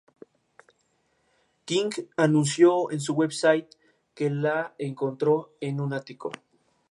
Desde ese momento comenzaron a estudiar la posibilidad de aplicar esta iniciativa en Chile.